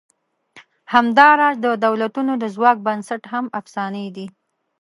همدا راز د دولتونو د ځواک بنسټ هم افسانې دي.